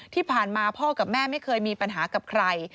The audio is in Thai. ที่ผ่านมาพ่อกับแม่ไม่เคยมีปัญหากับใคร